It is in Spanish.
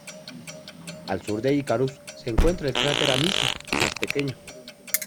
Al sur de Icarus se encuentra el cráter Amici, más pequeño.